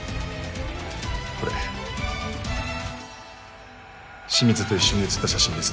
これ清水と一緒に写った写真です。